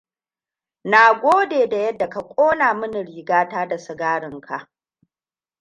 Nagode da yadda ka ƙona mini riga ta da sigarin ka.